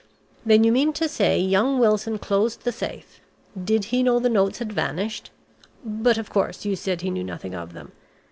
Then you mean to say young Wilson closed the safe. Did he know the notes had vanished? But of course you said he knew nothing of them.